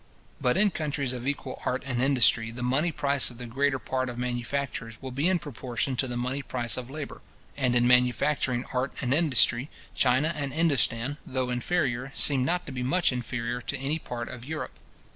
But in countries of equal art and industry, the money price of the greater part of manufactures will be in proportion to the money price of labour; and in manufacturing art and industry, China and Indostan, though inferior, seem not to be much inferior to any part of Europe.